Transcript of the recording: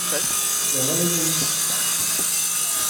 Yerra-iyi-d ayen i as-fkiɣ.